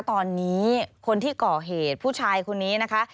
ตอนนี้คนที่ก่อเหตุผู้ชายคนนี้นะคะ